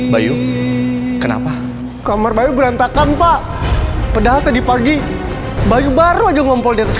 bayu kenapa kamar bayu berantakan pak pedas tadi pagi baru baru aja ngomong kasur